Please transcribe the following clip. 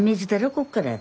こっから。